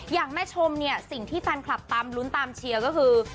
แม่ชมเนี่ยสิ่งที่แฟนคลับตามลุ้นตามเชียร์ก็คือ